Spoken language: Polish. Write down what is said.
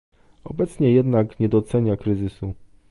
obecnie jednak nie docenia kryzysu